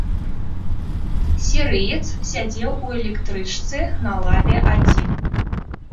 Сірыец сядзеў у электрычцы на лаве адзін.